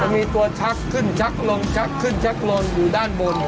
มีตัวชักขึ้นชักลงชักขึ้นชักลงอยู่ด้านบน